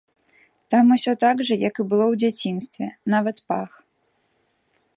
Там усё так жа, як і было ў дзяцінстве, нават пах.